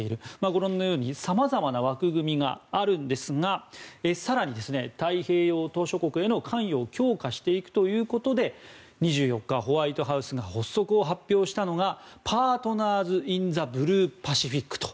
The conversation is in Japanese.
ご覧のようにさまざまな枠組みがあるんですが更に太平洋島しょ国への関与を強化していくということで２４日、ホワイトハウスが発足を発表したのがパートナーズ・イン・ザ・ブルー・パシフィックと。